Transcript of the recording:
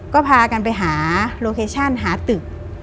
ก็พากันไปหาโลเคชั่นหาตึก